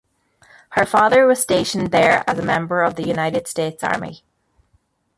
Her father was stationed there as a member of the United States Army.